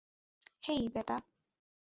হেই, বেটা।